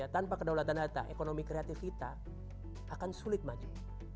tanpa kedaulatan data ekonomi kreatif kita akan sulit maju